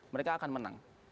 mereka akan menang